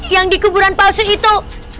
yang di kuburan palsu itu